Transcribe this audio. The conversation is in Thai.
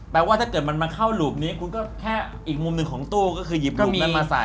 ว่าถ้าเกิดมันมาเข้ารูปนี้คุณก็แค่อีกมุมหนึ่งของตู้ก็คือหยิบรูปนั้นมาใส่